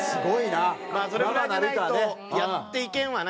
まあそれぐらいじゃないとやっていけんわな。